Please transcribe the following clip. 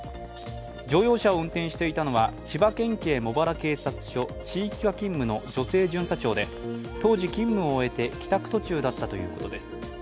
乗用車を運転していたのは千葉県警茂原警察署地域課勤務の女性巡査長で当時、勤務を終えて帰宅途中だったということです。